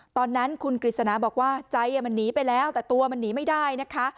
ตอนนั้นคุณกฤษณาบอกว่าใจมันหนีไปแล้วแต่ตัวมันหนีไม่ได้นะคะ